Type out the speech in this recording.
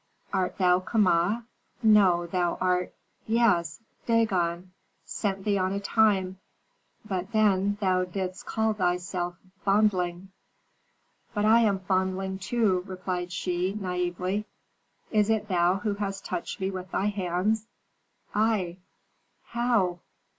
"Art thou Kama? No, thou art Yes, Dagon sent thee on a time, but then thou didst call thyself Fondling." "But I am Fondling, too," replied she, naïvely. "Is it thou who hast touched me with thy hands?" "I." "How?"